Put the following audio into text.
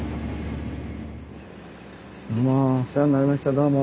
お世話になりましたどうも。